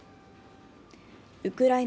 ウクライナ